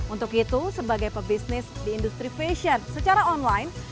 untuk itu sebagai pebisnis di industri fashion secara online